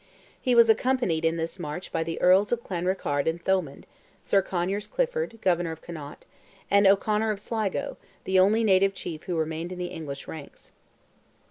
He was accompanied in this march by the Earls of Clanrickarde and Thomond, Sir Conyers Clifford, Governor of Connaught, and O'Conor of Sligo, the only native chief who remained in the English ranks.